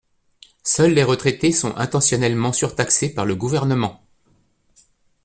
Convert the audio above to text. Seuls les retraités sont intentionnellement surtaxés par le Gouvernement.